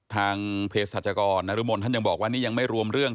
ทางเพศสัจกรนรุมลท่านยังบอกว่านี่ยังไม่รวมเรื่อง